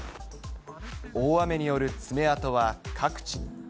大雨による爪痕は各地に。